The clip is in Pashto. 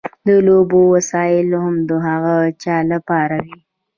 د لوبو وسایل هم د هغه چا لپاره وي.